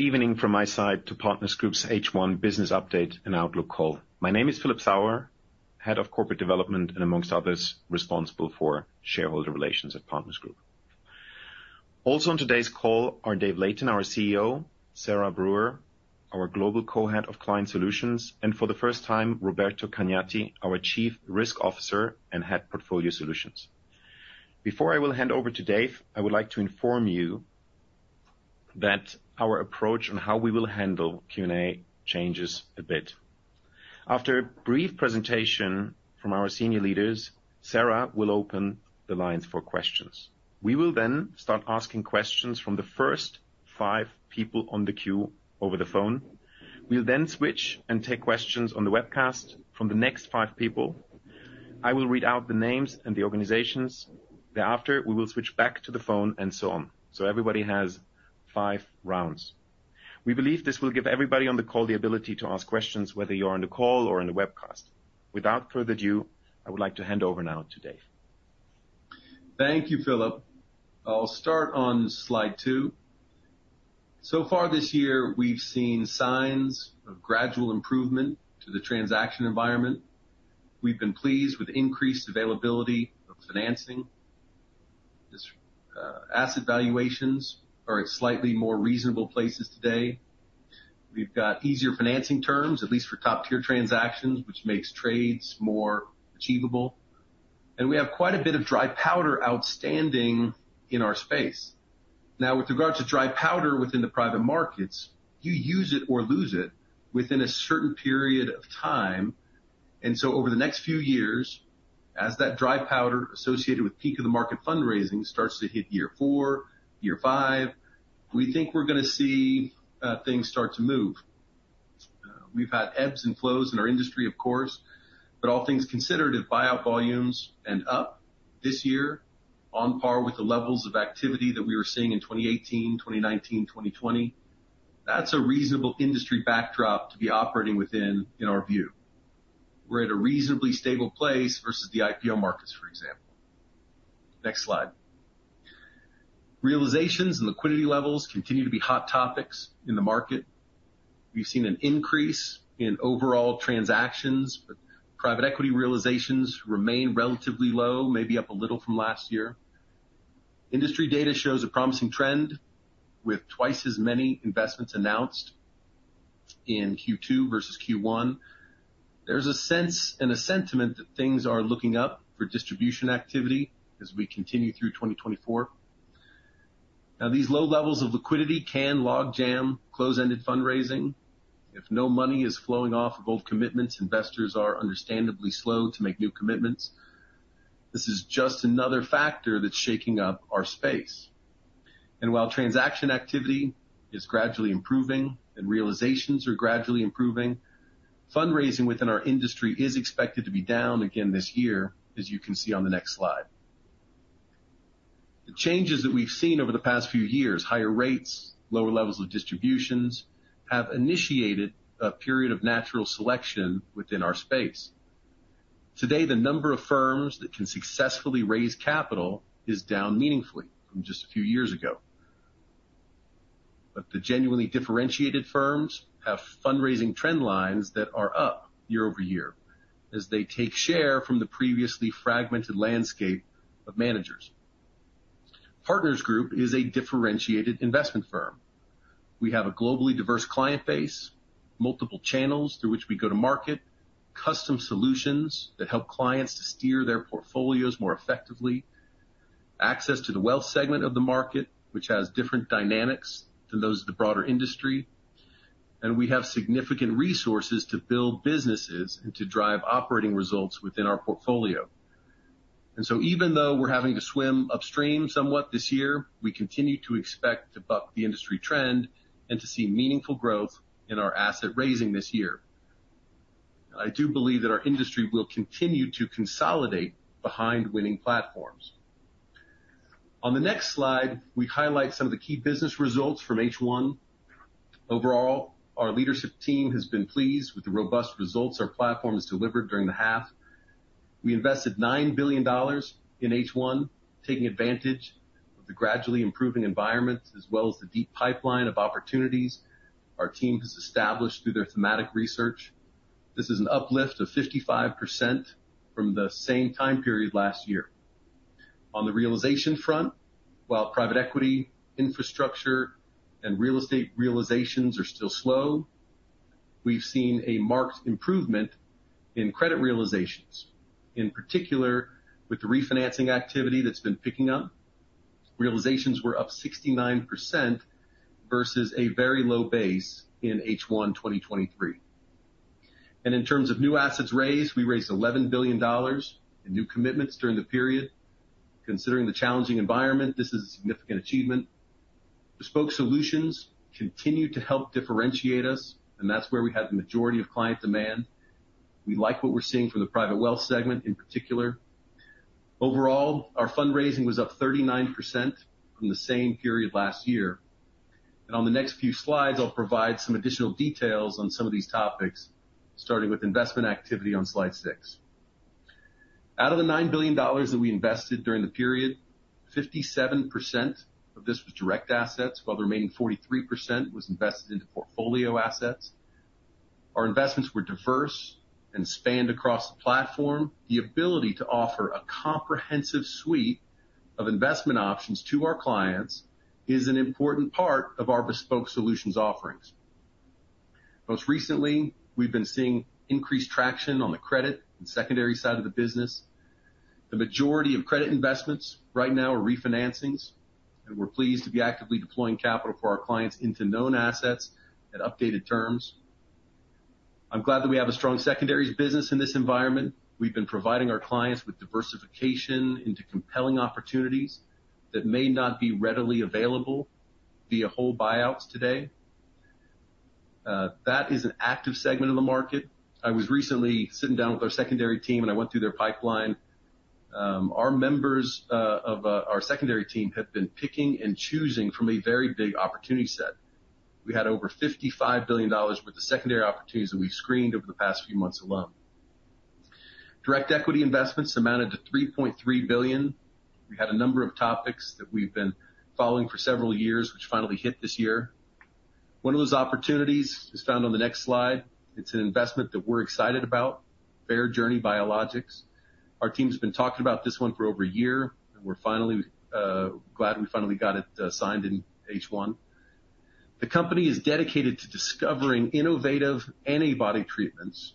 Good evening from my side to Partners Group's H1 business update and outlook call. My name is Philip Sauer, Head of Corporate Development, and among others, responsible for shareholder relations at Partners Group. Also on today's call are Dave Layton, our CEO, Sarah Brewer, our Global Co-head of Client Solutions, and for the first time, Roberto Cagnati, our Chief Risk Officer and Head Portfolio Solutions. Before I will hand over to Dave, I would like to inform you that our approach on how we will handle Q&A changes a bit. After a brief presentation from our senior leaders, Sarah will open the lines for questions. We will then start asking questions from the first five people on the queue over the phone. We'll then switch and take questions on the webcast from the next five people. I will read out the names and the organizations. Thereafter, we will switch back to the phone and so on. Everybody has five rounds. We believe this will give everybody on the call the ability to ask questions, whether you're on the call or on the webcast. Without further ado, I would like to hand over now to Dave. Thank you, Philip. I'll start on slide 2. So far this year, we've seen signs of gradual improvement to the transaction environment. We've been pleased with increased availability of financing. As asset valuations are at slightly more reasonable places today. We've got easier financing terms, at least for top-tier transactions, which makes trades more achievable, and we have quite a bit of dry powder outstanding in our space. Now, with regards to dry powder within the private markets, you use it or lose it within a certain period of time. And so over the next few years, as that dry powder associated with peak of the market fundraising starts to hit year 4, year 5, we think we're going to see things start to move. We've had ebbs and flows in our industry, of course, but all things considered, if buyout volumes end up this year on par with the levels of activity that we were seeing in 2018, 2019, 2020, that's a reasonable industry backdrop to be operating within, in our view. We're at a reasonably stable place versus the IPO markets, for example. Next slide. Realizations and liquidity levels continue to be hot topics in the market. We've seen an increase in overall transactions, but private equity realizations remain relatively low, maybe up a little from last year. Industry data shows a promising trend, with twice as many investments announced in Q2 versus Q1. There's a sense and a sentiment that things are looking up for distribution activity as we continue through 2024. Now, these low levels of liquidity can log jam close-ended fundraising. If no money is flowing off of old commitments, investors are understandably slow to make new commitments. This is just another factor that's shaking up our space. While transaction activity is gradually improving and realizations are gradually improving, fundraising within our industry is expected to be down again this year, as you can see on the next slide. The changes that we've seen over the past few years, higher rates, lower levels of distributions, have initiated a period of natural selection within our space. Today, the number of firms that can successfully raise capital is down meaningfully from just a few years ago. But the genuinely differentiated firms have fundraising trend lines that are up year over year as they take share from the previously fragmented landscape of managers. Partners Group is a differentiated investment firm. We have a globally diverse client base, multiple channels through which we go to market, custom solutions that help clients to steer their portfolios more effectively, access to the wealth segment of the market, which has different dynamics than those of the broader industry, and we have significant resources to build businesses and to drive operating results within our portfolio. So even though we're having to swim upstream somewhat this year, we continue to expect to buck the industry trend and to see meaningful growth in our asset raising this year. I do believe that our industry will continue to consolidate behind winning platforms. On the next slide, we highlight some of the key business results from H1. Overall, our leadership team has been pleased with the robust results our platforms delivered during the half. We invested $9 billion in H1, taking advantage of the gradually improving environment, as well as the deep pipeline of opportunities our team has established through their thematic research. This is an uplift of 55% from the same time period last year. On the realization front, while private equity, infrastructure, and real estate realizations are still slow, we've seen a marked improvement in credit realizations, in particular, with the refinancing activity that's been picking up. Realizations were up 69% versus a very low base in H1, 2023. In terms of new assets raised, we raised $11 billion in new commitments during the period. Considering the challenging environment, this is a significant achievement. Bespoke solutions continue to help differentiate us, and that's where we had the majority of client demand. We like what we're seeing for the private wealth segment in particular. Overall, our fundraising was up 39% from the same period last year. On the next few slides, I'll provide some additional details on some of these topics, starting with investment activity on slide 6. Out of the $9 billion that we invested during the period, 57% of this was direct assets, while the remaining 43% was invested into portfolio assets. Our investments were diverse and spanned across the platform. The ability to offer a comprehensive suite of investment options to our clients is an important part of our bespoke solutions offerings. Most recently, we've been seeing increased traction on the credit and secondary side of the business. The majority of credit investments right now are refinancings, and we're pleased to be actively deploying capital for our clients into known assets at updated terms. I'm glad that we have a strong secondaries business in this environment. We've been providing our clients with diversification into compelling opportunities that may not be readily available via whole buyouts today. That is an active segment of the market. I was recently sitting down with our secondary team, and I went through their pipeline. Our members of our secondary team have been picking and choosing from a very big opportunity set. We had over $55 billion worth of secondary opportunities that we've screened over the past few months alone. Direct equity investments amounted to $3.3 billion. We had a number of topics that we've been following for several years, which finally hit this year. One of those opportunities is found on the next slide. It's an investment that we're excited about, FairJourney Biologics. Our team has been talking about this one for over a year, and we're finally glad we finally got it signed in H1. The company is dedicated to discovering innovative antibody treatments,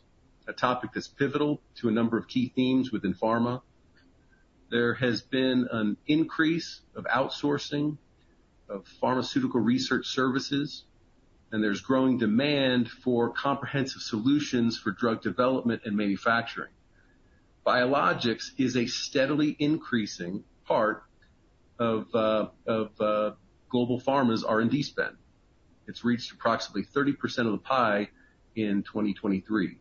a topic that's pivotal to a number of key themes within pharma. There has been an increase of outsourcing of pharmaceutical research services, and there's growing demand for comprehensive solutions for drug development and manufacturing. Biologics is a steadily increasing part of global pharma's R&D spend. It's reached approximately 30% of the pie in 2023,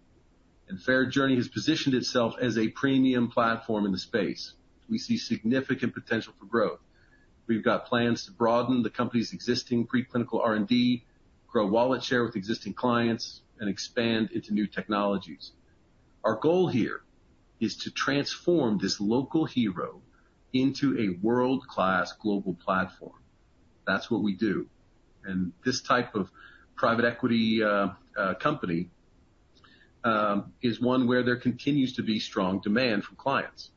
and FairJourney has positioned itself as a premium platform in the space. We see significant potential for growth. We've got plans to broaden the company's existing preclinical R&D, grow wallet share with existing clients, and expand into new technologies. Our goal here is to transform this local hero into a world-class global platform. That's what we do, and this type of private equity company is one where there continues to be strong demand from clients.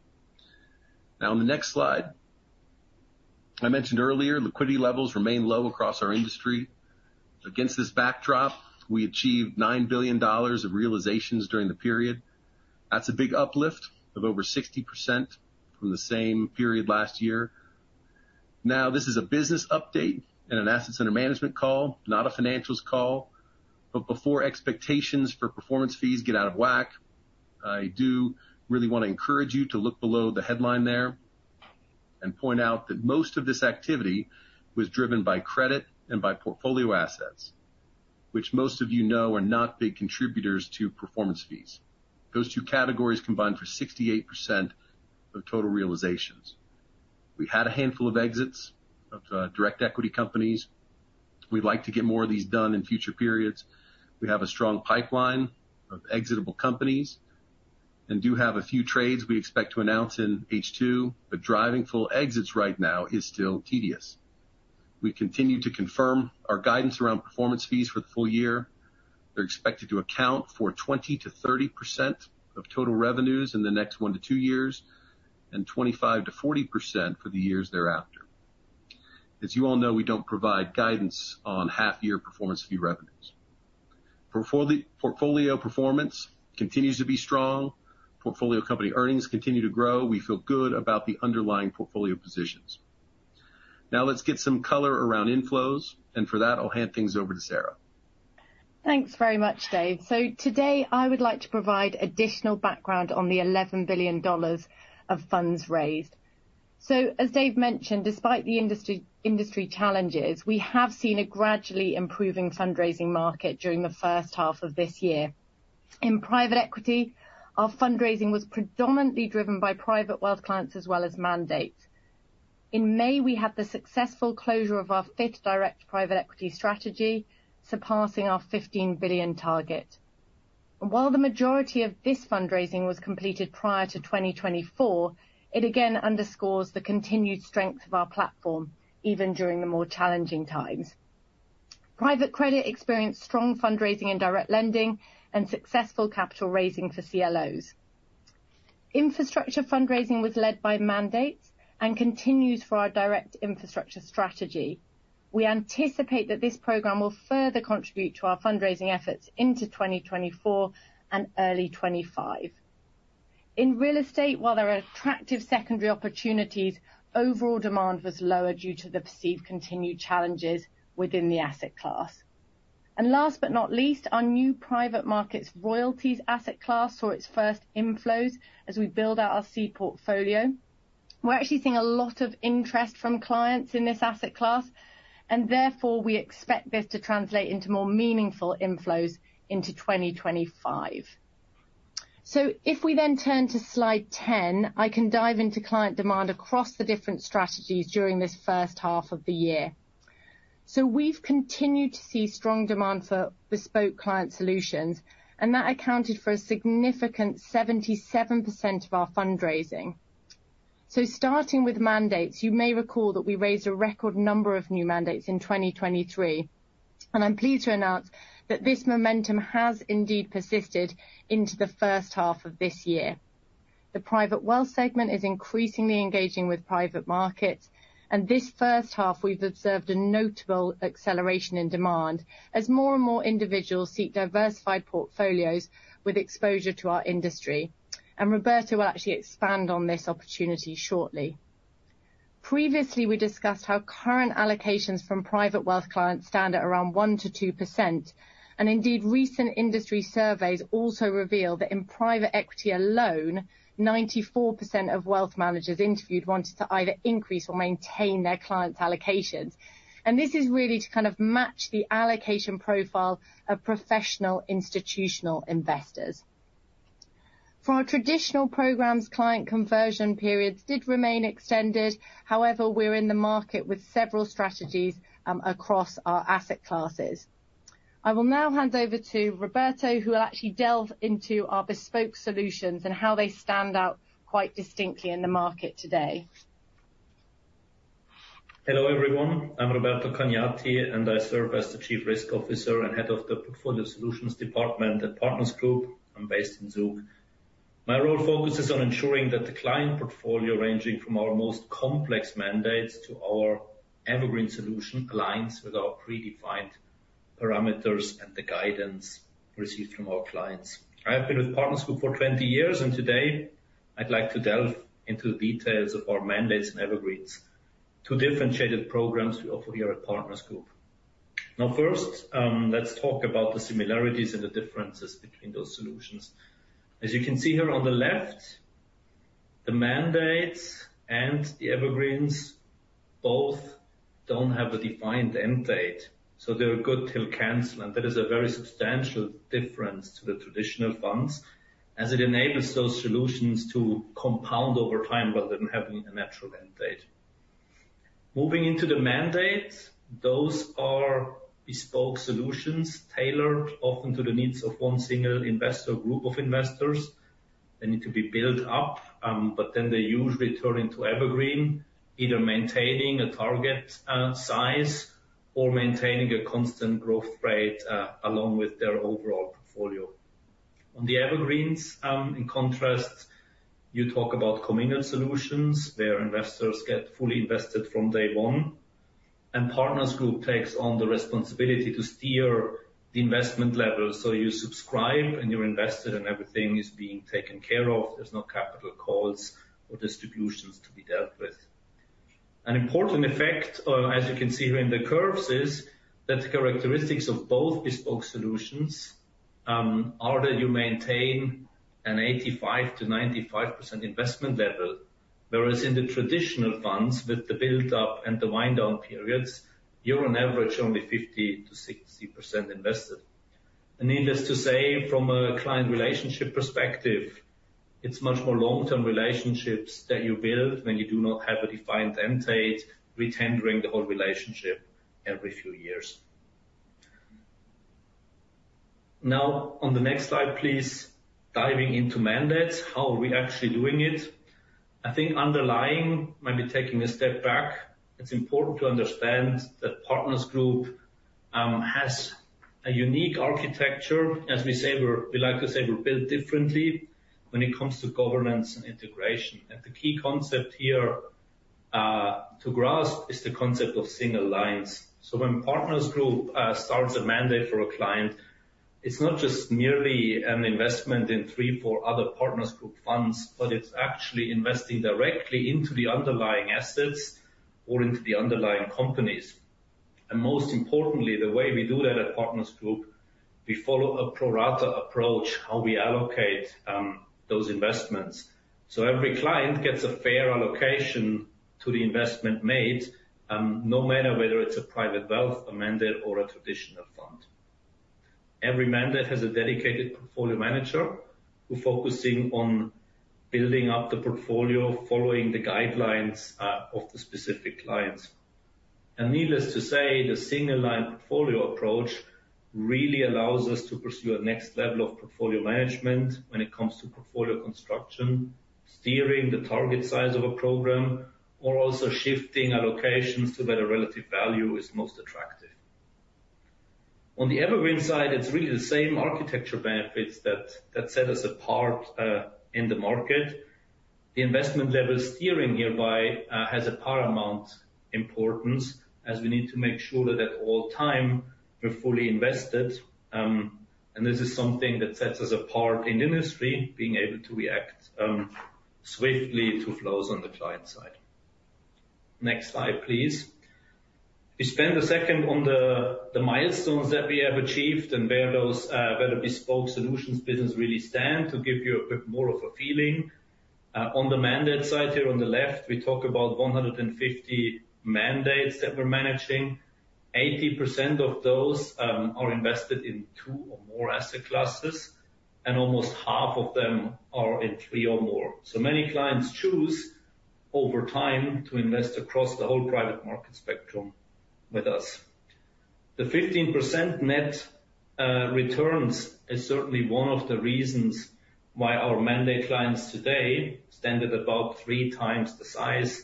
Now, on the next slide, I mentioned earlier, liquidity levels remain low across our industry. Against this backdrop, we achieved $9 billion of realizations during the period. That's a big uplift of over 60% from the same period last year. Now, this is a business update and an asset management call, not a financials call. But before expectations for performance fees get out of whack, I do really want to encourage you to look below the headline there and point out that most of this activity was driven by credit and by portfolio assets, which most of you know are not big contributors to performance fees. Those two categories combined for 68% of total realizations. We had a handful of exits of direct equity companies. We'd like to get more of these done in future periods. We have a strong pipeline of exitable companies and do have a few trades we expect to announce in H2, but driving full exits right now is still tedious. We continue to confirm our guidance around performance fees for the full year. They're expected to account for 20%-30% of total revenues in the next 1-2 years, and 25%-40% for the years thereafter. As you all know, we don't provide guidance on half-year performance fee revenues. Portfolio performance continues to be strong. Portfolio company earnings continue to grow. We feel good about the underlying portfolio positions. Now let's get some color around inflows, and for that, I'll hand things over to Sarah. Thanks very much, Dave. Today, I would like to provide additional background on the $11 billion of funds raised. As Dave mentioned, despite the industry challenges, we have seen a gradually improving fundraising market during the first half of this year. In private equity, our fundraising was predominantly driven by private wealth clients as well as mandates. In May, we had the successful closure of our fifth direct private equity strategy, surpassing our $15 billion target. While the majority of this fundraising was completed prior to 2024, it again underscores the continued strength of our platform, even during the more challenging times. Private credit experienced strong fundraising and direct lending and successful capital raising for CLOs. Infrastructure fundraising was led by mandates and continues for our direct infrastructure strategy. We anticipate that this program will further contribute to our fundraising efforts into 2024 and early 2025. In real estate, while there are attractive secondary opportunities, overall demand was lower due to the perceived continued challenges within the asset class. Last but not least, our new private markets royalties asset class saw its first inflows as we build out our seed portfolio. We're actually seeing a lot of interest from clients in this asset class, and therefore, we expect this to translate into more meaningful inflows into 2025. If we then turn to slide 10, I can dive into client demand across the different strategies during this first half of the year. We've continued to see strong demand for bespoke client solutions, and that accounted for a significant 77% of our fundraising. Starting with mandates, you may recall that we raised a record number of new mandates in 2023, and I'm pleased to announce that this momentum has indeed persisted into the first half of this year. The private wealth segment is increasingly engaging with private markets, and this first half, we've observed a notable acceleration in demand as more and more individuals seek diversified portfolios with exposure to our industry. Roberto will actually expand on this opportunity shortly. Previously, we discussed how current allocations from private wealth clients stand at around 1%-2%, and indeed, recent industry surveys also reveal that in private equity alone, 94% of wealth managers interviewed wanted to either increase or maintain their clients' allocations. This is really to kind of match the allocation profile of professional institutional investors. For our traditional programs, client conversion periods did remain extended. However, we're in the market with several strategies, across our asset classes. I will now hand over to Roberto, who will actually delve into our bespoke solutions and how they stand out quite distinctly in the market today. Hello, everyone. I'm Roberto Cagnati, and I serve as the Chief Risk Officer and Head of the Portfolio Solutions Department at Partners Group. I'm based in Zug. My role focuses on ensuring that the client portfolio, ranging from our most complex mandates to our evergreen solution, aligns with our predefined parameters and the guidance received from our clients. I have been with Partners Group for 20 years, and today I'd like to delve into the details of our mandates and evergreens, two differentiated programs we offer here at Partners Group. Now, first, let's talk about the similarities and the differences between those solutions. As you can see here on the left, the mandates and the evergreens both don't have a defined end date, so they're good till cancel. That is a very substantial difference to the traditional funds as it enables those solutions to compound over time rather than having a natural end date. Moving into the mandate, those are bespoke solutions, tailored often to the needs of one single investor or group of investors. They need to be built up, but then they usually turn into evergreen, either maintaining a target size or maintaining a constant growth rate along with their overall portfolio. On the evergreens, in contrast, you talk about communal solutions, where investors get fully invested from day one, and Partners Group takes on the responsibility to steer the investment level. You subscribe, and you're invested, and everything is being taken care of. There's no capital calls or distributions to be dealt with. An important effect, as you can see here in the curves, is that the characteristics of both bespoke solutions are that you maintain an 85%-95% investment level. Whereas in the traditional funds, with the build up and the wind down periods, you're on average only 50%-60% invested. Needless to say, from a client relationship perspective, it's much more long-term relationships that you build when you do not have a defined end date, retendering the whole relationship every few years. Now, on the next slide, please. Diving into mandates, how are we actually doing it? I think underlying, maybe taking a step back, it's important to understand that Partners Group has a unique architecture. As we say, we like to say we're built differently when it comes to governance and integration. The key concept here to grasp is the concept of single lines. So when Partners Group starts a mandate for a client, it's not just merely an investment in three, four other Partners Group funds, but it's actually investing directly into the underlying assets or into the underlying companies. And most importantly, the way we do that at Partners Group, we follow a pro rata approach, how we allocate those investments. So every client gets a fair allocation to the investment made, no matter whether it's a private wealth, a mandate, or a traditional fund. Every mandate has a dedicated portfolio manager who focusing on building up the portfolio, following the guidelines of the specific clients. Needless to say, the single line portfolio approach really allows us to pursue a next level of portfolio management when it comes to portfolio construction, steering the target size of a program, or also shifting allocations to where the relative value is most attractive. On the evergreen side, it's really the same architecture benefits that set us apart in the market. The investment level steering hereby has a paramount importance, as we need to make sure that at all time we're fully invested. This is something that sets us apart in the industry, being able to react swiftly to flows on the client side. Next slide, please. We spend a second on the milestones that we have achieved and where the bespoke solutions business really stand, to give you a bit more of a feeling. On the mandate side, here on the left, we talk about 150 mandates that we're managing. 80% of those are invested in two or more asset classes, and almost half of them are in three or more. So many clients choose over time to invest across the whole private market spectrum with us. The 15% net returns is certainly one of the reasons why our mandate clients today stand at about 3 times the size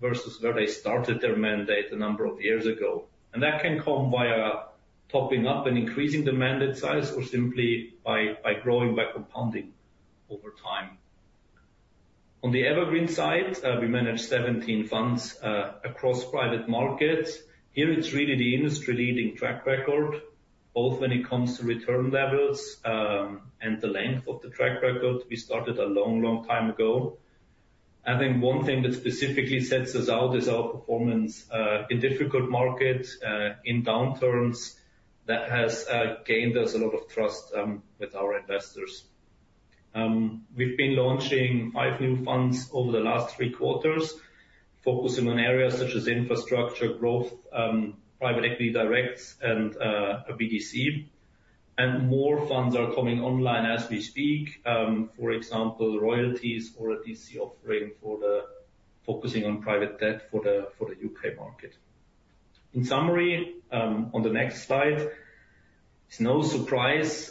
versus where they started their mandate a number of years ago. That can come via topping up and increasing the mandate size, or simply by growing, by compounding over time. On the Evergreen side, we manage 17 funds across private markets. Here, it's really the industry-leading track record, both when it comes to return levels and the length of the track record. We started a long, long time ago. I think one thing that specifically sets us out is our performance in difficult markets in downturns. That has gained us a lot of trust with our investors. We've been launching five new funds over the last three quarters, focusing on areas such as infrastructure, growth, private equity directs and a BDC, and more funds are coming online as we speak. For example, royalties or a BDC offering focusing on private debt for the UK market. In summary, on the next slide, it's no surprise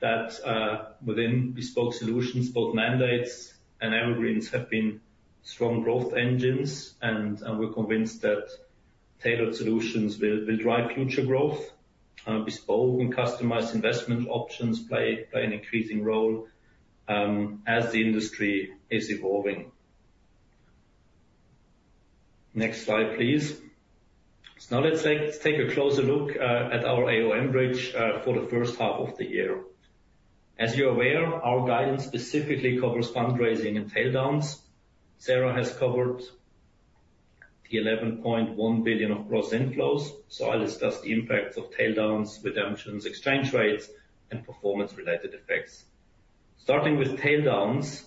that within bespoke solutions, both mandates and Evergreens have been strong growth engines, and we're convinced that tailored solutions will drive future growth. Bespoke and customized investment options play an increasing role as the industry is evolving. Next slide, please. So now let's take, let's take a closer look at our AUM bridge for the first half of the year. As you're aware, our guidance specifically covers fundraising and taildowns. Sarah has covered the $11.1 billion of gross inflows, so I'll discuss the impacts of taildowns, redemptions, exchange rates, and performance-related effects. Starting with taildowns,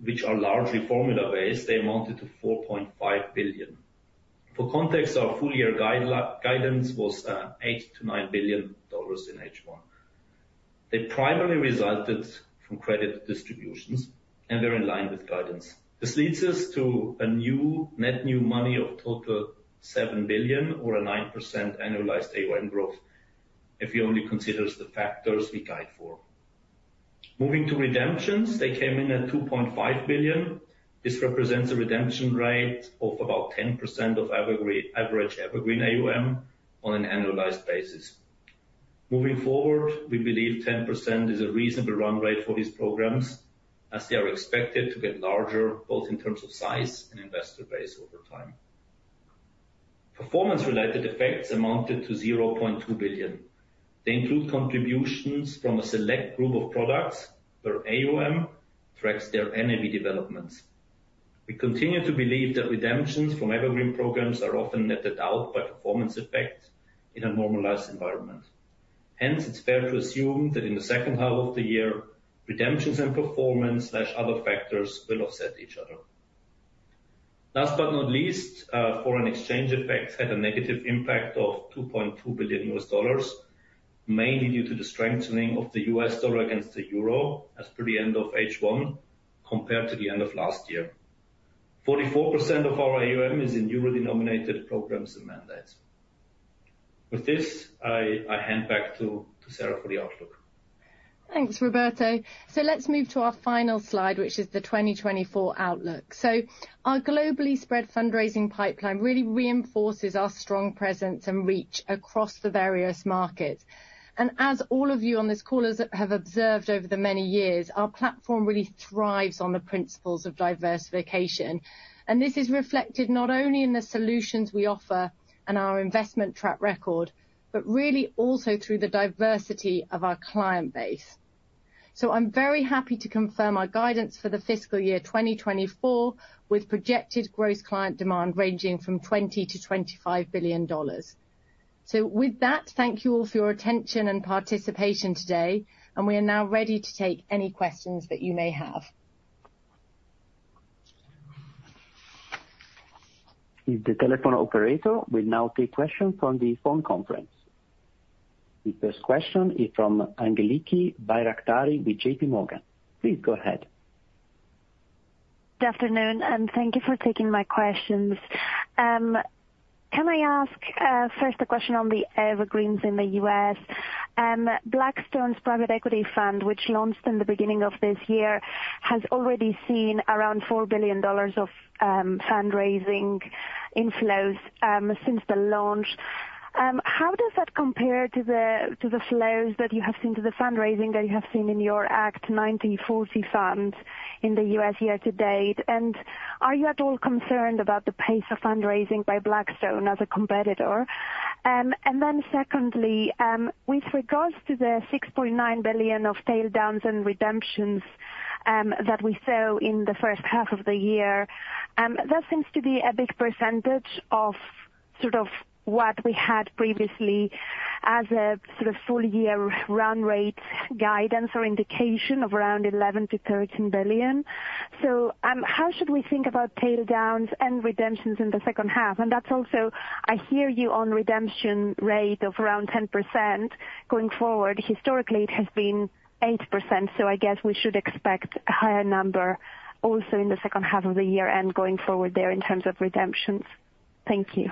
which are largely formula-based, they amounted to $4.5 billion. For context, our full year guidance was eight to nine billion dollars in H1. They primarily resulted from credit distributions, and they're in line with guidance. This leads us to a new net, new money of total $7 billion or a 9% annualized AUM growth if you only consider the factors we guide for. Moving to redemptions, they came in at $2.5 billion. This represents a redemption rate of about 10% of average Evergreen AUM on an annualized basis. Moving forward, we believe 10% is a reasonable run rate for these programs, as they are expected to get larger, both in terms of size and investor base over time. Performance-related effects amounted to $0.2 billion. They include contributions from a select group of products where AUM tracks their NAV developments. We continue to believe that redemptions from Evergreen programs are often netted out by performance effects in a normalized environment. Hence, it's fair to assume that in the second half of the year, redemptions and performance slash other factors will offset each other. Last but not least, foreign exchange effects had a negative impact of $2.2 billion, mainly due to the strengthening of the US dollar against the euro as per the end of H1 compared to the end of last year. 44% of our AUM is in euro-denominated programs and mandates. With this, I, I hand back to, to Sarah for the outlook. Thanks, Roberto. So let's move to our final slide, which is the 2024 outlook. So our globally spread fundraising pipeline really reinforces our strong presence and reach across the various markets. And as all of you on this call have observed over the many years, our platform really thrives on the principles of diversification. And this is reflected not only in the solutions we offer and our investment track record, but really also through the diversity of our client base. So I'm very happy to confirm our guidance for the fiscal year 2024, with projected gross client demand ranging from $20 billion-$25 billion. So with that, thank you all for your attention and participation today, and we are now ready to take any questions that you may have. The telephone operator will now take questions on the phone conference. The first question is from Angeliki Bairaktari with JPMorgan. Please go ahead. Good afternoon, and thank you for taking my questions. Can I ask first a question on the Evergreens in the U.S.? Blackstone's private equity fund, which launched in the beginning of this year, has already seen around $4 billion of fundraising inflows since the launch. How does that compare to the flows that you have seen, to the fundraising that you have seen in your Act 1940 funds in the U.S. year to date? And are you at all concerned about the pace of fundraising by Blackstone as a competitor? And then secondly, with regards to the 6.9 billion of drawdowns and redemptions, that we saw in the first half of the year, that seems to be a big percentage of sort of what we had previously as a sort of full year run rate guidance or indication of around 11 billion-13 billion. So, how should we think about drawdowns and redemptions in the second half? And that's also, I hear you on redemption rate of around 10% going forward. Historically, it has been 8%, so I guess we should expect a higher number also in the second half of the year and going forward there in terms of redemptions. Thank you.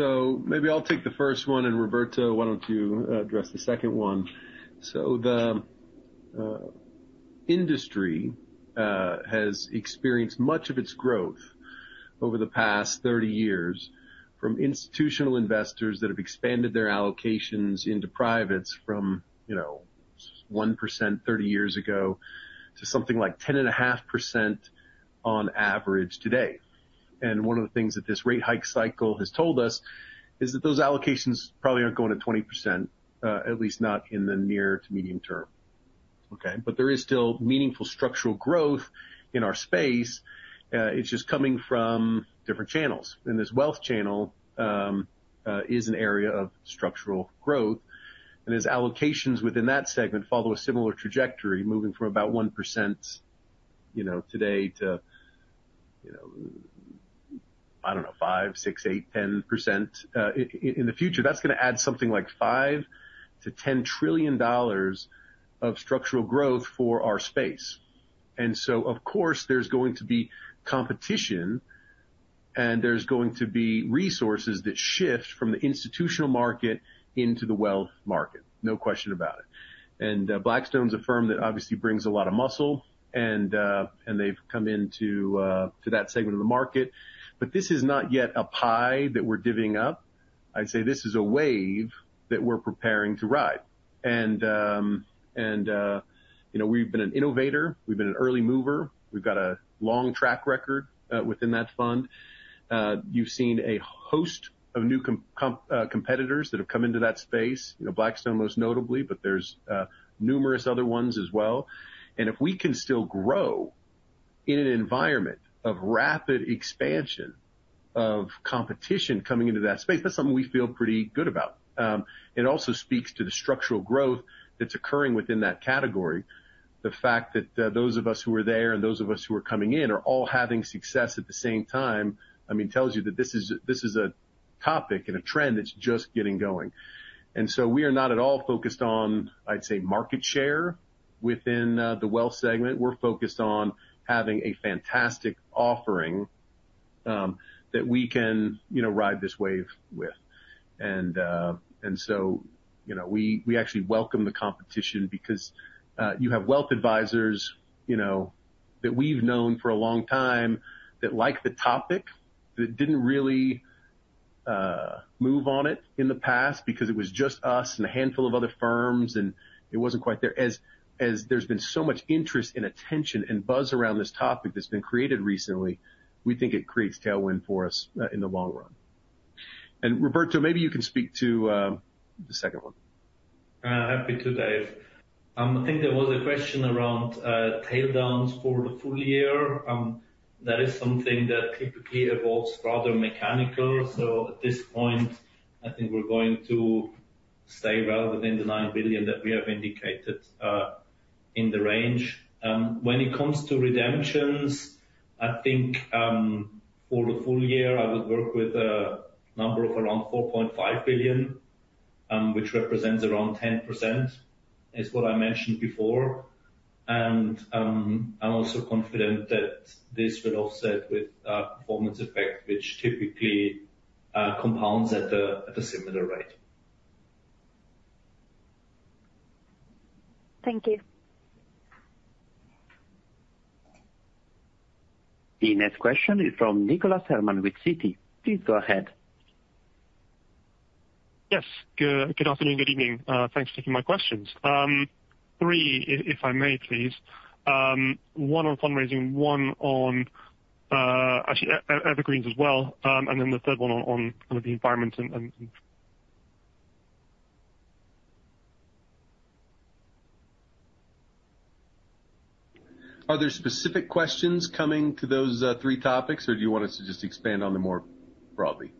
So maybe I'll take the first one, and Roberto, why don't you address the second one? So the industry has experienced much of its growth over the past 30 years from institutional investors that have expanded their allocations into privates from, you know, 1% 30 years ago to something like 10.5% on average today. And one of the things that this rate hike cycle has told us is that those allocations probably aren't going to 20%, at least not in the near to medium term. Okay? But there is still meaningful structural growth in our space. It's just coming from different channels. This wealth channel is an area of structural growth, and as allocations within that segment follow a similar trajectory, moving from about 1% you know today to, you know, I don't know, 5, 6, 8, 10% in the future, that's gonna add something like $5-$10 trillion of structural growth for our space. And so, of course, there's going to be competition, and there's going to be resources that shift from the institutional market into the wealth market, no question about it. And Blackstone's a firm that obviously brings a lot of muscle, and they've come into that segment of the market. But this is not yet a pie that we're divvying up. I'd say this is a wave that we're preparing to ride. You know, we've been an innovator, we've been an early mover. We've got a long track record within that fund. You've seen a host of new competitors that have come into that space, you know, Blackstone most notably, but there's numerous other ones as well. And if we can still grow in an environment of rapid expansion, of competition coming into that space, that's something we feel pretty good about. It also speaks to the structural growth that's occurring within that category. The fact that those of us who are there and those of us who are coming in are all having success at the same time, I mean, tells you that this is, this is a topic and a trend that's just getting going. We are not at all focused on, I'd say, market share within the wealth segment. We're focused on having a fantastic offering, that we can, you know, ride this wave with. You know, we actually welcome the competition because you have wealth advisors, you know, that we've known for a long time that like the topic, but didn't really move on it in the past because it was just us and a handful of other firms, and it wasn't quite there. As there's been so much interest and attention and buzz around this topic that's been created recently, we think it creates tailwind for us in the long run. Roberto, maybe you can speak to the second one. Happy to, Dave. I think there was a question around taildowns for the full year. That is something that typically evolves rather mechanical. So at this point, I think we're going to stay well within the $9 billion that we have indicated in the range. When it comes to redemptions, I think for the full year, I would work with a number of around $4.5 billion, which represents around 10%, is what I mentioned before. I'm also confident that this will offset with a performance effect, which typically compounds at a similar rate. Thank you. The next question is from Nicholas Herman with Citi. Please go ahead. Yes, good afternoon, good evening. Thanks for taking my questions. Three, if I may, please. One on fundraising, one on, actually, evergreens as well, and then the third one on kind of the environment and, and- Are there specific questions coming to those three topics, or do you want us to just expand on them more broadly?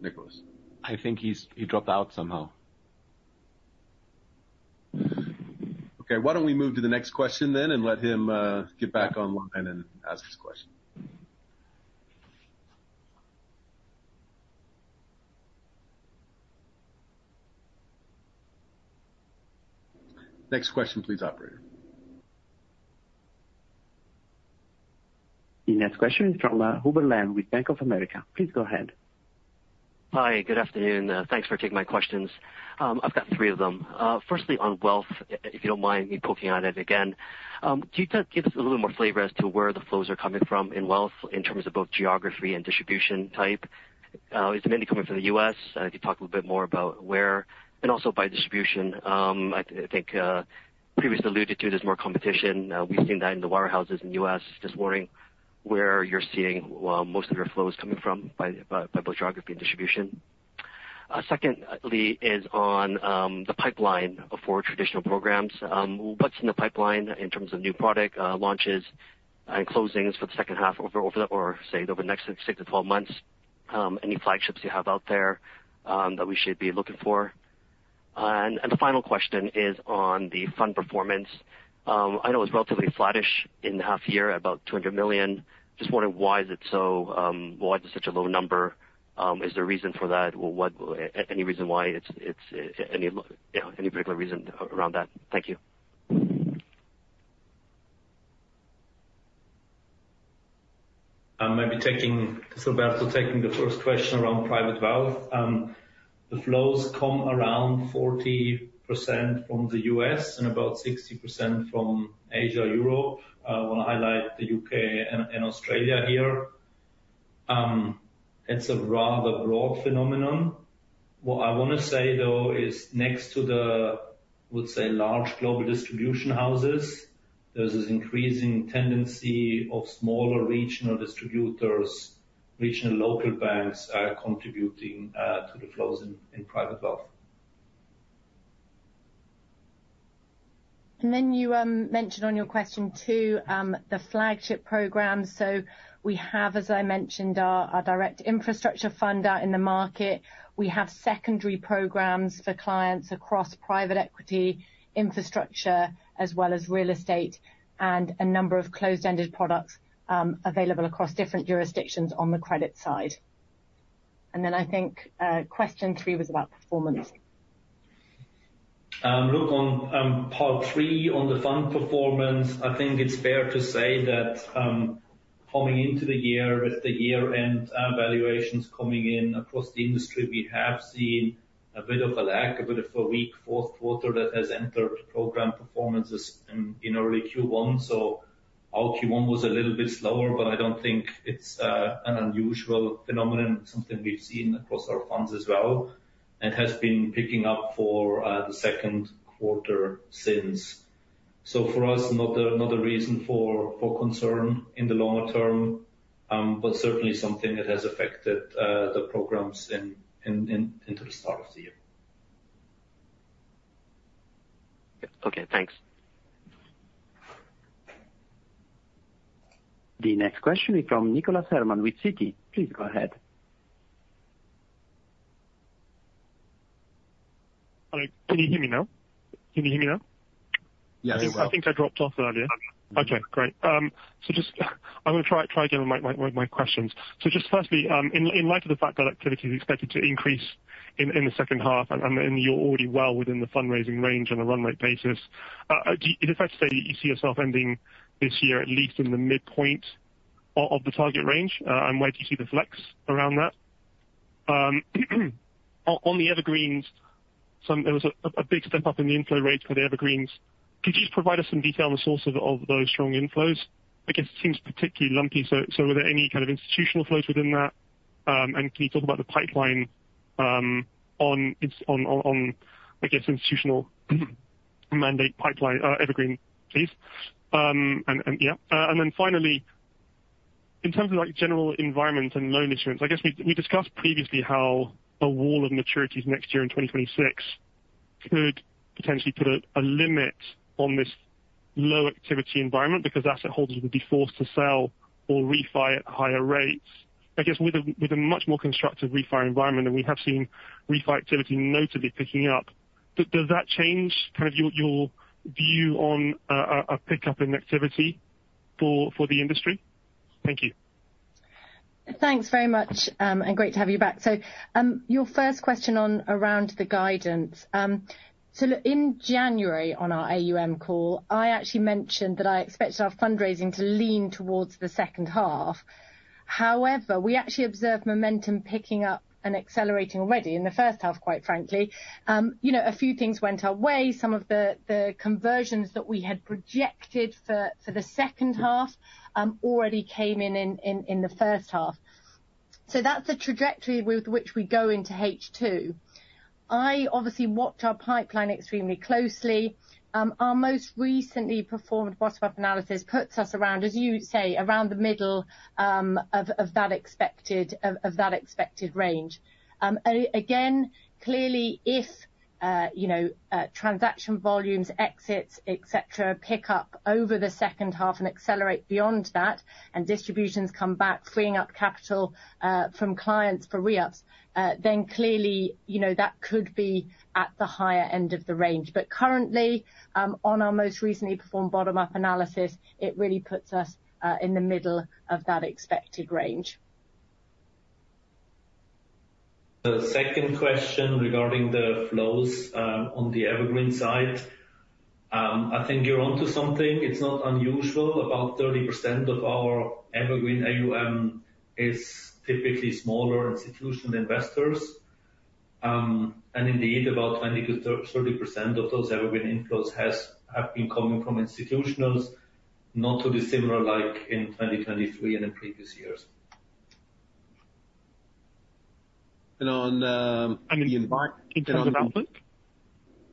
Nicholas? I think he dropped out somehow. Okay, why don't we move to the next question then, and let him get back online and ask his question? Next question, please, operator. The next question is from Hubert Lam with Bank of America. Please go ahead. Hi, good afternoon. Thanks for taking my questions. I've got three of them. Firstly, on wealth, if you don't mind me poking on it again, can you give us a little more flavor as to where the flows are coming from in wealth, in terms of both geography and distribution type? Is it mainly coming from the U.S.? If you talk a little bit more about where and also by distribution. I think, previously alluded to, there's more competition. We've seen that in the warehouses in the U.S. this morning, where you're seeing most of your flows coming from by both geography and distribution. Secondly, is on the pipeline for traditional programs. What's in the pipeline in terms of new product launches and closings for the second half, or say, over the next six to 12 months? Any flagships you have out there that we should be looking for? And the final question is on the fund performance. I know it's relatively flattish in the half year, about $200 million. Just wondering why is it so, why it's such a low number? Is there a reason for that, or what, any reason why it's, you know, any particular reason around that? Thank you. I might be taking, this is Roberto, taking the first question around private wealth. The flows come around 40% from the U.S. and about 60% from Asia, Europe. I want to highlight the U.K. and, and Australia here. It's a rather broad phenomenon. What I want to say, though, is next to the, I would say, large global distribution houses, there's this increasing tendency of smaller regional distributors. Regional local banks are contributing, uh, to the flows in, in private wealth. And then you mentioned on your question, too, the flagship program. So we have, as I mentioned, our, our direct infrastructure fund out in the market. We have secondary programs for clients across private equity, infrastructure, as well as real estate, and a number of closed-ended products available across different jurisdictions on the credit side. And then I think question three was about performance. Look on part three, on the fund performance. I think it's fair to say that, coming into the year, with the year-end valuations coming in across the industry, we have seen a bit of a lag, a bit of a weak fourth quarter that has entered program performances in early Q1. So our Q1 was a little bit slower, but I don't think it's an unusual phenomenon, something we've seen across our funds as well, and has been picking up for the second quarter since. So for us, not a reason for concern in the longer term, but certainly something that has affected the programs into the start of the year. Okay, thanks. The next question is from Nicholas Herman with Citi. Please go ahead. Hello. Can you hear me now? Can you hear me now? Yes, very well. I think I dropped off earlier. Okay, great. So just I'm going to try again with my questions. So just firstly, in light of the fact that activity is expected to increase in the second half, and you're already well within the fundraising range on a run rate basis, is it fair to say you see yourself ending this year, at least in the midpoint of the target range? And where do you see the flex around that? On the Evergreens, there was a big step up in the inflow rates for the Evergreens. Could you just provide us some detail on the sources of those strong inflows? I guess it seems particularly lumpy, so were there any kind of institutional flows within that? And can you talk about the pipeline on institutional mandate pipeline, Evergreen, please. And yeah. And then finally, in terms of, like, general environment and loan issuance, I guess we discussed previously how a wall of maturities next year in 2026 could potentially put a limit on this low activity environment because asset holders would be forced to sell or refi at higher rates. I guess with a much more constructive refi environment, and we have seen refi activity notably picking up, does that change kind of your view on a pickup in activity for the industry? Thank you. Thanks very much, and great to have you back. So, your first question on around the guidance. So look, in January, on our AUM call, I actually mentioned that I expected our fundraising to lean towards the second half. However, we actually observed momentum picking up and accelerating already in the first half, quite frankly. You know, a few things went our way. Some of the conversions that we had projected for the second half already came in the first half. So that's the trajectory with which we go into H2. I obviously watched our pipeline extremely closely. Our most recently performed bottom-up analysis puts us around, as you say, around the middle of that expected range. Again, clearly, if you know, transaction volumes, exits, et cetera, pick up over the second half and accelerate beyond that, and distributions come back, freeing up capital from clients for reups, then clearly, you know, that could be at the higher end of the range. But currently, on our most recently performed bottom-up analysis, it really puts us in the middle of that expected range. The second question regarding the flows on the Evergreen side, I think you're onto something. It's not unusual. About 30% of our Evergreen AUM is typically smaller institutional investors. And indeed, about 20%-30% of those Evergreen inflows have been coming from institutionals, not too dissimilar, like in 2023 and in previous years. And on, I mean, in terms of outlook?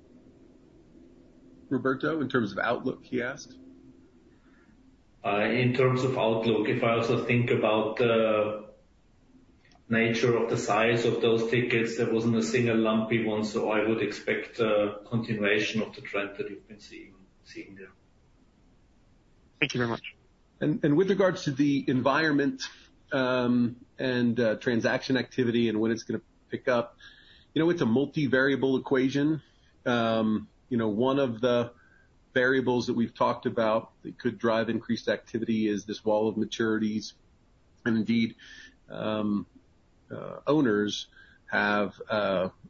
Roberto, in terms of outlook, he asked. In terms of outlook, if I also think about the nature of the size of those tickets, there wasn't a single lumpy one, so I would expect a continuation of the trend that you've been seeing there. Thank you very much. With regards to the environment and transaction activity and when it's gonna pick up, you know, it's a multivariable equation. You know, one of the variables that we've talked about that could drive increased activity is this wall of maturities. And indeed, owners have,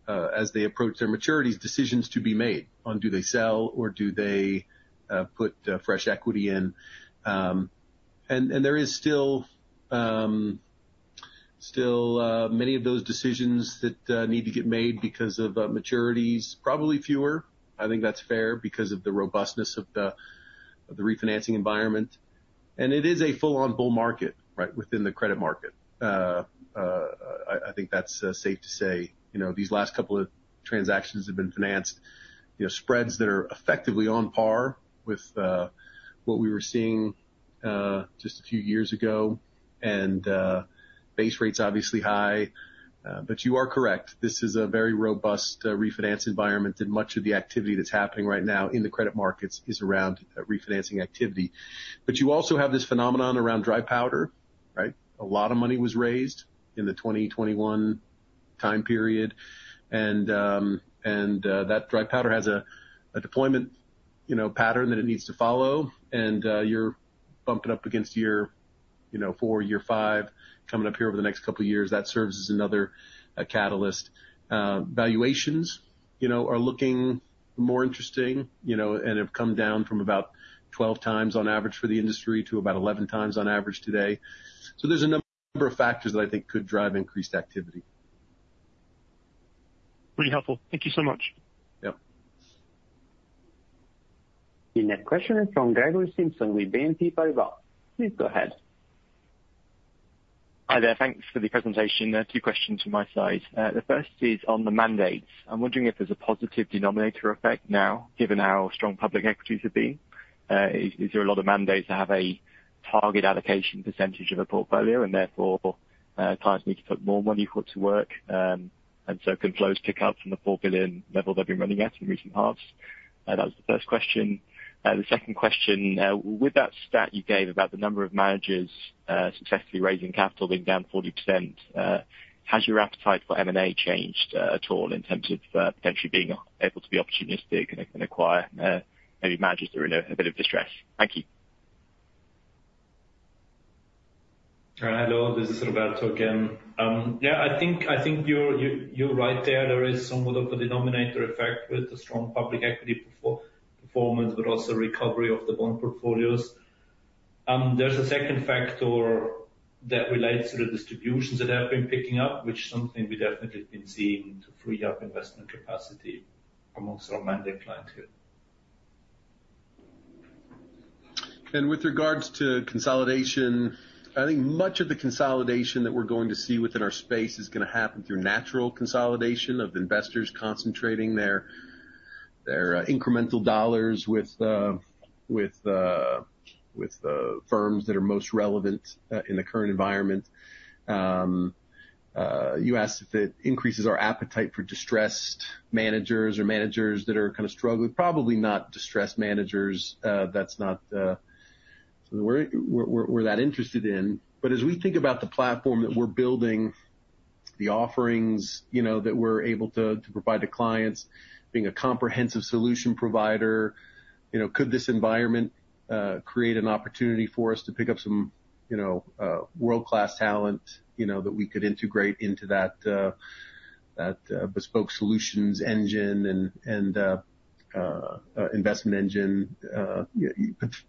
as they approach their maturities, decisions to be made on do they sell or do they put fresh equity in? And there is still many of those decisions that need to get made because of maturities, probably fewer. I think that's fair because of the robustness of the refinancing environment. And it is a full-on bull market, right, within the credit market. I think that's safe to say. You know, these last couple of transactions have been financed, you know, spreads that are effectively on par with what we were seeing just a few years ago. Base rate's obviously high. But you are correct, this is a very robust refinance environment, and much of the activity that's happening right now in the credit markets is around refinancing activity. But you also have this phenomenon around dry powder, right? A lot of money was raised in the 2021 time period, and that dry powder has a deployment, you know, pattern that it needs to follow. You're bumping up against year 4, year 5, coming up here over the next couple of years. That serves as another catalyst. Valuations, you know, are looking more interesting, you know, and have come down from about 12x on average for the industry to about 11x on average today. So there's a number of factors that I think could drive increased activity. Really helpful. Thank you so much. Yep. The next question is from Gregory Simpson with BNP Paribas. Please go ahead. Hi there. Thanks for the presentation. 2 questions from my side. The first is on the mandates. I'm wondering if there's a positive denominator effect now, given how strong public equities have been. Is there a lot of mandates that have a target allocation percentage of a portfolio, and therefore, clients need to put more money to work, and so can flows pick up from the $4 billion level they've been running at in recent halves? That was the first question. The second question, with that stat you gave about the number of managers successfully raising capital being down 40%, has your appetite for M&A changed at all in terms of potentially being able to be opportunistic and acquire maybe managers who are in a bit of distress? Thank you. Hello, this is Roberto again. Yeah, I think you're right there. There is some sort of a denominator effect with the strong public equity performance, but also recovery of the bond portfolios. There's a second factor that relates to the distributions that have been picking up, which is something we've definitely been seeing to free up investment capacity amongst our mandate clientele. With regards to consolidation, I think much of the consolidation that we're going to see within our space is gonna happen through natural consolidation of investors concentrating their incremental dollars with the firms that are most relevant in the current environment. You asked if it increases our appetite for distressed managers or managers that are kind of struggling. Probably not distressed managers. That's not the word we're that interested in. But as we think about the platform that we're building, the offerings, you know, that we're able to provide to clients, being a comprehensive solution provider, you know, could this environment create an opportunity for us to pick up some, you know, world-class talent, you know, that we could integrate into that bespoke solutions engine and investment engine?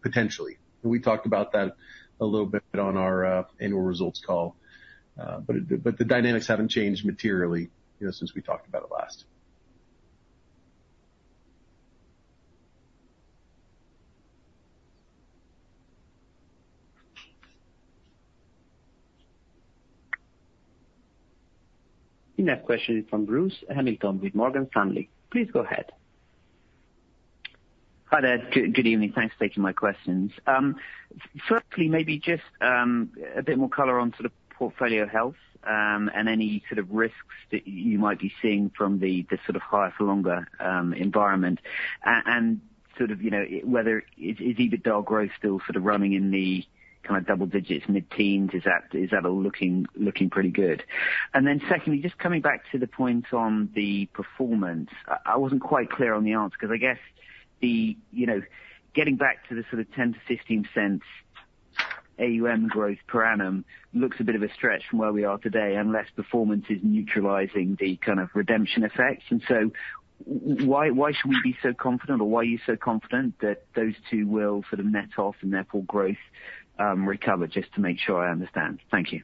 Potentially. We talked about that a little bit on our annual results call, but the dynamics haven't changed materially, you know, since we talked about it last. The next question is from Bruce Hamilton with Morgan Stanley. Please go ahead. Hi there. Good evening. Thanks for taking my questions. Firstly, maybe just a bit more color on sort of portfolio health and any sort of risks that you might be seeing from the sort of higher for longer environment. And sort of, you know, whether EBITDA growth is still sort of running in the kind of double digits, mid-teens? Is that looking pretty good? And then secondly, just coming back to the point on the performance, I wasn't quite clear on the answer, 'cause I guess, you know, getting back to the sort of 10%-15% AUM growth per annum looks a bit of a stretch from where we are today, unless performance is neutralizing the kind of redemption effect. Why, why should we be so confident, or why are you so confident that those two will sort of net off and therefore growth recover? Just to make sure I understand. Thank you.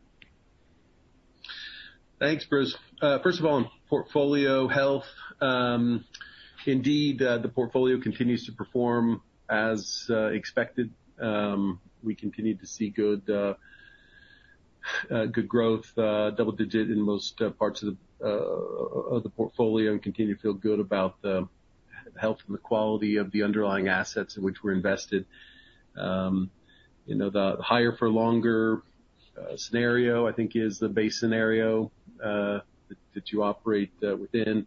Thanks, Bruce. First of all, on portfolio health, indeed, the portfolio continues to perform as expected. We continue to see good, good growth, double digit in most parts of the portfolio, and continue to feel good about the health and the quality of the underlying assets in which we're invested. You know, the higher for longer scenario, I think, is the base scenario that you operate within.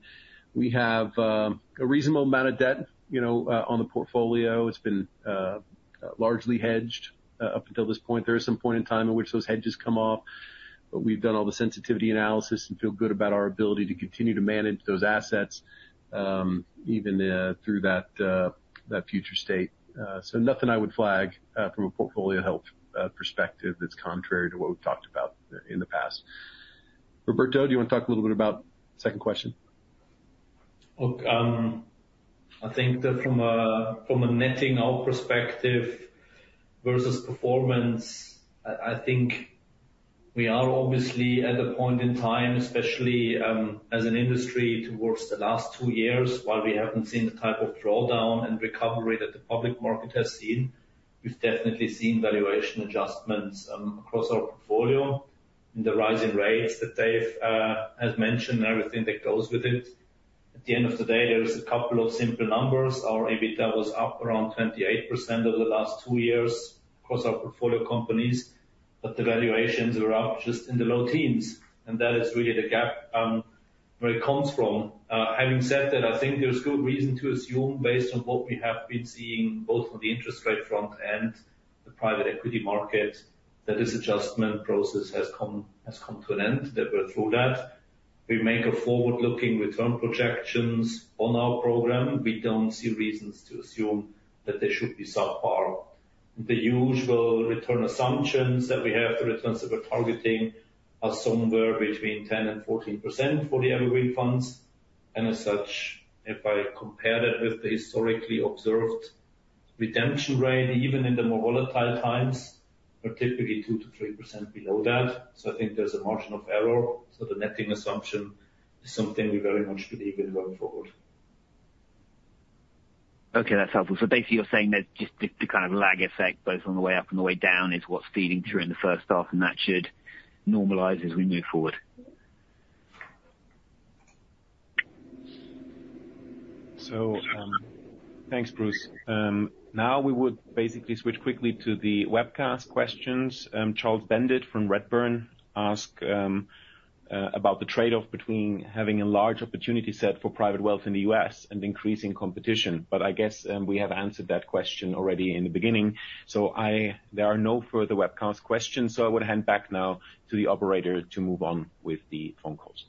We have a reasonable amount of debt, you know, on the portfolio. It's been largely hedged up until this point. There is some point in time in which those hedges come off, but we've done all the sensitivity analysis and feel good about our ability to continue to manage those assets, even through that future state. So nothing I would flag from a portfolio health perspective that's contrary to what we've talked about in the past. Roberto, do you want to talk a little bit about the second question? Look, I think that from a netting our perspective versus performance, I think we are obviously at a point in time, especially, as an industry, towards the last two years, while we haven't seen the type of drawdown and recovery that the public market has seen, we've definitely seen valuation adjustments, across our portfolio and the rising rates that Dave has mentioned, and everything that goes with it. At the end of the day, there is a couple of simple numbers. Our EBITDA was up around 28% over the last two years across our portfolio companies, but the valuations are up just in the low teens, and that is really the gap, where it comes from. Having said that, I think there's good reason to assume, based on what we have been seeing, both on the interest rate front and the private equity market, that this adjustment process has come to an end, that we're through that. We make a forward-looking return projections on our program. We don't see reasons to assume that they should be subpar. The usual return assumptions that we have, the returns that we're targeting, are somewhere between 10%-14% for the evergreen funds. And as such, if I compare that with the historically observed redemption rate, even in the more volatile times, are typically 2%-3% below that. So I think there's a margin of error. So the netting assumption is something we very much believe in going forward. Okay, that's helpful. So basically, you're saying that just the kind of lag effect, both on the way up and the way down, is what's feeding through in the first half, and that should normalize as we move forward? So, thanks, Bruce. Now we would basically switch quickly to the webcast questions. Charles Bendit from Redburn asked about the trade-off between having a large opportunity set for private wealth in the U.S. and increasing competition, but I guess, we have answered that question already in the beginning. So, there are no further webcast questions, so I would hand back now to the operator to move on with the phone calls.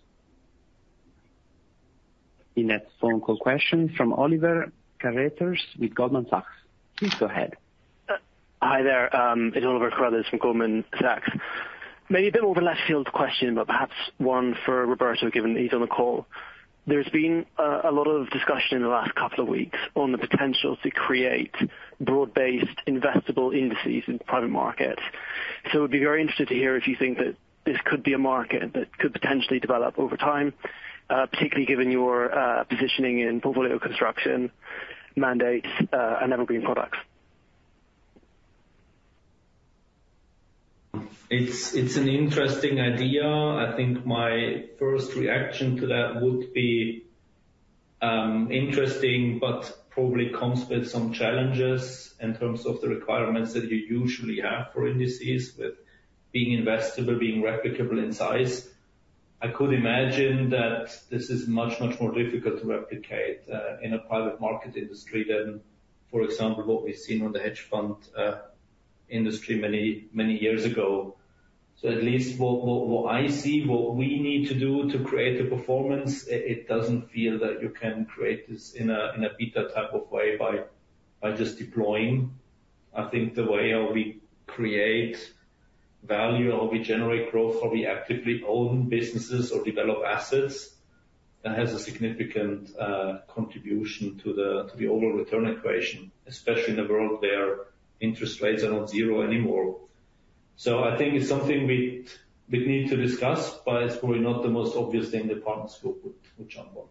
The next phone call question from Oliver Carruthers with Goldman Sachs. Please go ahead. Hi there. It's Oliver Carruthers from Goldman Sachs. Maybe a bit of a left field question, but perhaps one for Roberto, given that he's on the call. There's been a lot of discussion in the last couple of weeks on the potential to create broad-based investable indices in private markets. So it would be very interested to hear if you think that this could be a market that could potentially develop over time, particularly given your positioning in portfolio construction mandates, and evergreen products. It's an interesting idea. I think my first reaction to that would be interesting, but probably comes with some challenges in terms of the requirements that you usually have for indices, with being investable, being replicable in size. I could imagine that this is much, much more difficult to replicate in a private market industry than, for example, what we've seen on the hedge fund industry many, many years ago. So at least what I see, what we need to do to create a performance, it doesn't feel that you can create this in a beta type of way by just deploying. I think the way how we create value or we generate growth, how we actively own businesses or develop assets, that has a significant contribution to the overall return equation, especially in a world where interest rates are not zero anymore. So I think it's something we need to discuss, but it's probably not the most obvious thing in the Partners Group to jump on.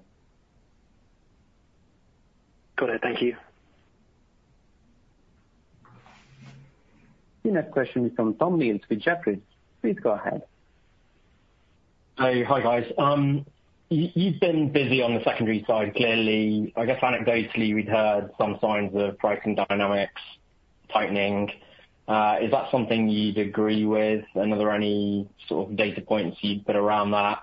Got it. Thank you. The next question is from Tommie Jintawichakul. Please go ahead. Hi. Hi, guys. You've been busy on the secondary side, clearly. I guess anecdotally, we'd heard some signs of pricing dynamics tightening. Is that something you'd agree with? And are there any sort of data points you'd put around that?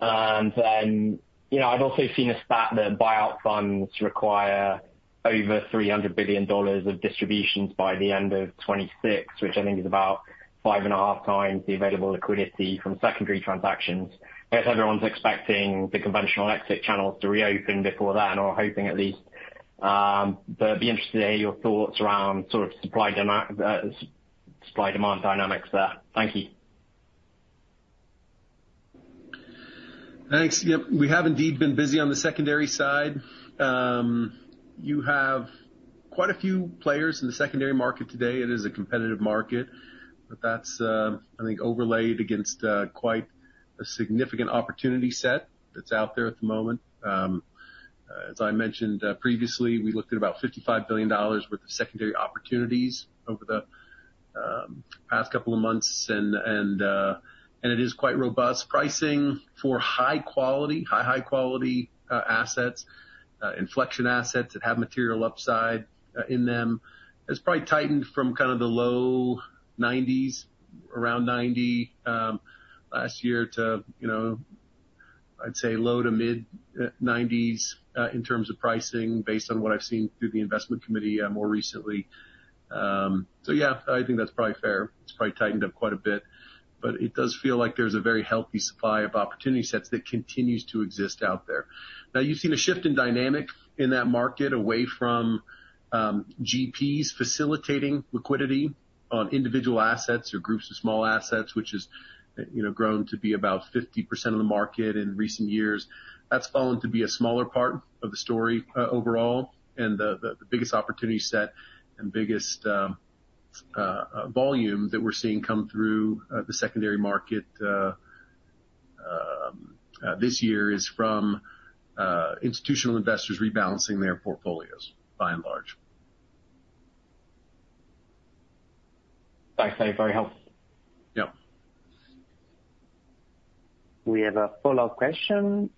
And then, you know, I've also seen a stat that buyout funds require over $300 billion of distributions by the end of 2026, which I think is about 5.5 times the available liquidity from secondary transactions. I guess everyone's expecting the conventional exit channels to reopen before that, or hoping at least. But I'd be interested to hear your thoughts around sort of supply-demand dynamics there. Thank you. Thanks. Yep, we have indeed been busy on the secondary side. You have quite a few players in the secondary market today. It is a competitive market, but that's, I think, overlaid against quite a significant opportunity set that's out there at the moment. As I mentioned previously, we looked at about $55 billion worth of secondary opportunities over the past couple of months, and it is quite robust. Pricing for high quality, high quality assets, inflection assets that have material upside in them, has probably tightened from kind of the low 90s, around 90, last year, to, you know, I'd say low-to-mid 90s in terms of pricing, based on what I've seen through the investment committee more recently. So yeah, I think that's probably fair. It's probably tightened up quite a bit, but it does feel like there's a very healthy supply of opportunity sets that continues to exist out there. Now, you've seen a shift in dynamic in that market away from GPs facilitating liquidity on individual assets or groups of small assets, which has, you know, grown to be about 50% of the market in recent years. That's fallen to be a smaller part of the story overall, and the biggest opportunity set and biggest volume that we're seeing come through the secondary market this year is from institutional investors rebalancing their portfolios, by and large. Thanks, Dave. Very helpful. Yeah. We have a follow-up question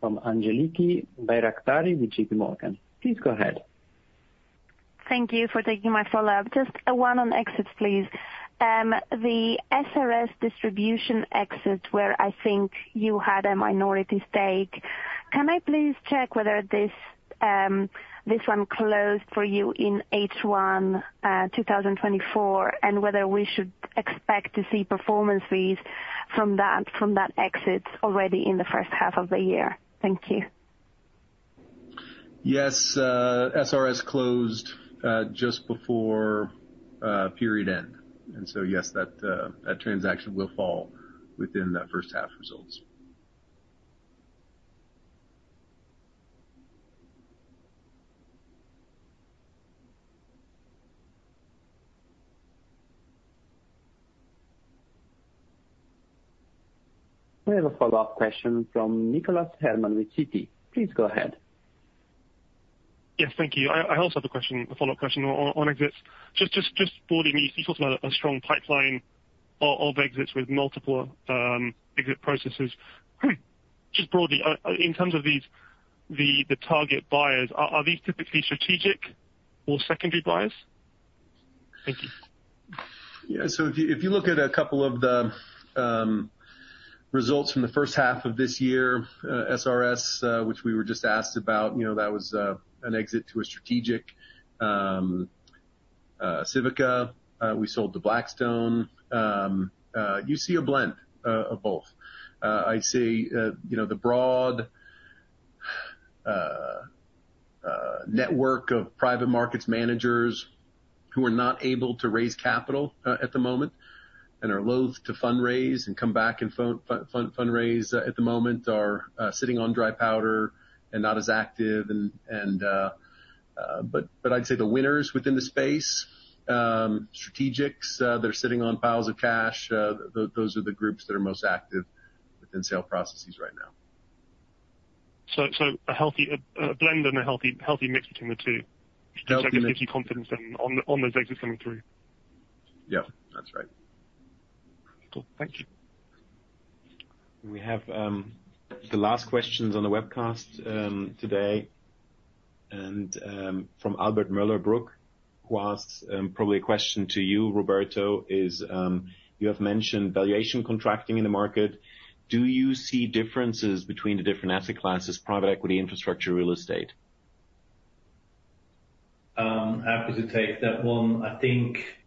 from Angeliki Bairaktari with JPMorgan. Please go ahead. Thank you for taking my follow-up. Just one on exits, please. The SRS Distribution exit, where I think you had a minority stake, can I please check whether this, this one closed for you in H1, 2024, and whether we should expect to see performance fees from that, from that exit already in the first half of the year? Thank you. Yes, SRS closed just before period end. And so, yes, that that transaction will fall within that first half results. We have a follow-up question from Nicholas Herman with Citi. Please go ahead. Yes, thank you. I also have a question, a follow-up question on exits. Just broadly, you talked about a strong pipeline of exits with multiple exit processes. Just broadly, in terms of these, the target buyers, are these typically strategic or secondary buyers? Thank you. Yeah, so if you, if you look at a couple of the results from the first half of this year, SRS, which we were just asked about, you know, that was an exit to a strategic, Civica, we sold to Blackstone. You see a blend of both. I'd say, you know, the broad network of private markets managers who are not able to raise capital at the moment, and are loathe to fundraise and come back and fundraise at the moment are sitting on dry powder and not as active. But I'd say the winners within the space, strategics, they're sitting on piles of cash. Those are the groups that are most active within sale processes right now. So, a healthy blend and a healthy mix between the two? Healthy mix. Which gives you confidence in, on those exits coming through. Yeah, that's right. Cool. Thank you. We have the last questions on the webcast today, and from Albert Mueller, who asks probably a question to you, Roberto: Is you have mentioned valuation contracting in the market. Do you see differences between the different asset classes, private equity, infrastructure, real estate? Happy to take that one. I think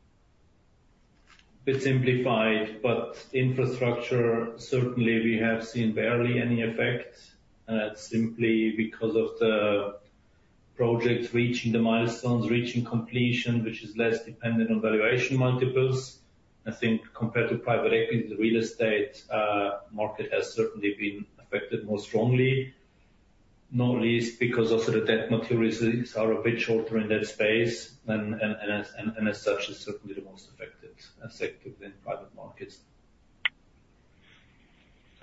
bit simplified, but infrastructure, certainly we have seen barely any effect. That's simply because of the projects reaching the milestones, reaching completion, which is less dependent on valuation multiples. I think compared to private equity, the real estate market has certainly been affected more strongly, not least because also the debt maturities are a bit shorter in that space, and as such, is certainly the most affected sector within private markets.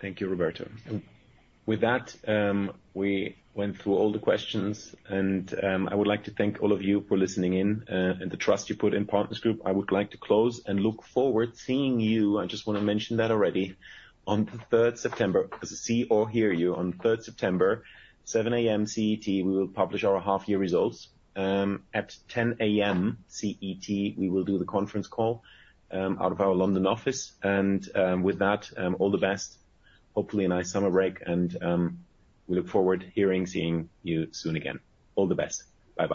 Thank you, Roberto. And with that, we went through all the questions, and I would like to thank all of you for listening in and the trust you put in Partners Group. I would like to close and look forward seeing you. I just want to mention that already, on the third September, see or hear you on third September, 7:00 A.M. CET, we will publish our half year results. At 10:00 A.M. CET, we will do the conference call out of our London office. And with that, all the best. Hopefully a nice summer break and we look forward hearing, seeing you soon again. All the best. Bye-bye.